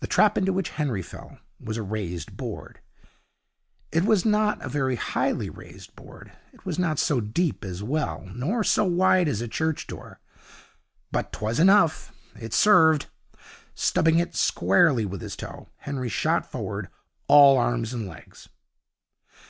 The trap into which Henry fell was a raised board. It was not a very highly raised board. It was not so deep as a well, nor so wide as a church door, but 'twas enough it served. Stubbing it squarely with his toe, Henry shot forward, all arms and legs.